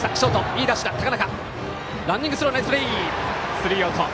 スリーアウト。